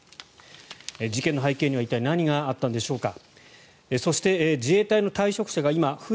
事件の背景には一体、何があったのでしょうか。